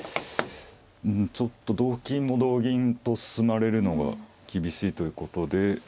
うんちょっと同金も同銀と進まれるのは厳しいということで。